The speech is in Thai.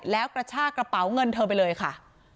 แล้วกระชากระเป๋าเงินเธอไปเลยค่ะ